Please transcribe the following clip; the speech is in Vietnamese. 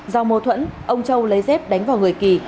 do mâu thuẫn ông châu lấy dép đánh vào người kỳ